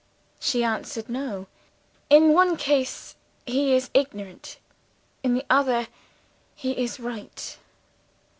"She answered 'No: in one case, he is ignorant; in the other, he is right.